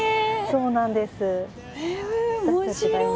そうなんです。